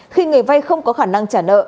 khi người vay không có khả năng trả nợ